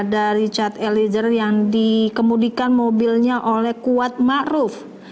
ini adalah richard elizer yang dikemudikan mobilnya oleh kuat ma'ruf